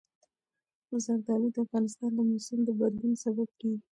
زردالو د افغانستان د موسم د بدلون سبب کېږي.